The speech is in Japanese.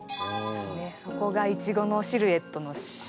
そこがいちごのシルエットの。